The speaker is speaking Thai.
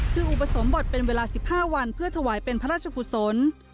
คืออุปสมบทเป็นเวลา๑๕วันเพื่อถวายเป็นพระราชกุศล